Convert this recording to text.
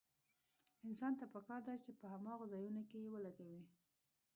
انسان ته پکار ده په هماغو ځايونو کې يې ولګوي.